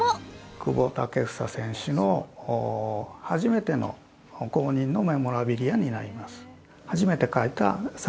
久保建英選手の初めての公認のメモラビリアになります。